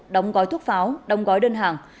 đóng gói thuốc pháo đóng gói đơn hàng